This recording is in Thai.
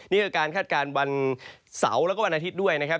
นี่คือการคาดการณ์วันเสาร์แล้วก็วันอาทิตย์ด้วยนะครับ